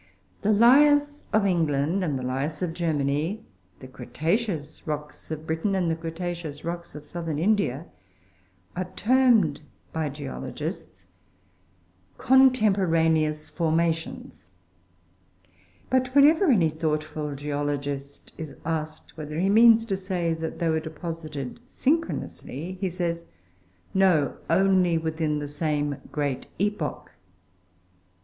The Lias of England and the Lias of Germany, the Cretaceous rocks of Britain and the Cretaceous rocks of Southern India, are termed by geologists "contemporaneous" formations; but whenever any thoughtful geologist is asked whether he means to say that they were deposited synchronously, he says, "No, only within the same great epoch."